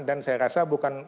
dan saya rasa bukan